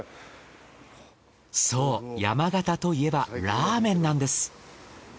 そう山形といえばラーメンなんです。